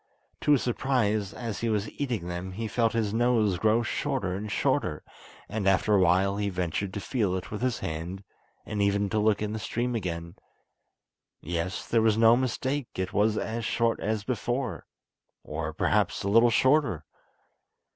To his surprise, as he was eating them, he felt his nose grow shorter and shorter, and after a while he ventured to feel it with his hand, and even to look in the stream again! Yes, there was no mistake, it was as short as before, or perhaps a little shorter.